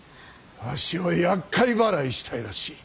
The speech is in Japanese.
わしをやっかい払いしたいらしい。